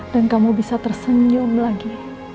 dan kamu bisa tersenyum lagi